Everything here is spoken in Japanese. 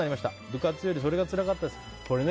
部活よりそれがつらかったです。